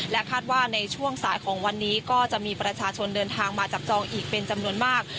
คาดว่าในช่วงสายของวันนี้ก็จะมีประชาชนเดินทางมาจับจองอีกเป็นจำนวนมาก